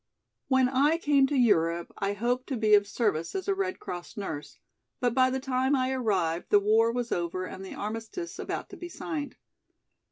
"When I came to Europe I hoped to be of service as a Red Cross nurse, but by the time I arrived the war was over and the armistice about to be signed.